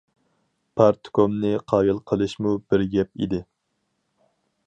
پارتكومنى قايىل قىلىشمۇ بىر گەپ ئىدى.